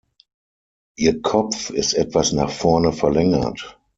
Ihr Kopf ist etwas nach vorne verlängert.